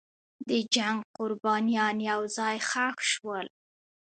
د جنګ قربانیان یو ځای ښخ شول.